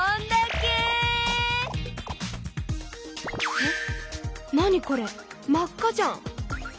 え何これ真っ赤じゃん！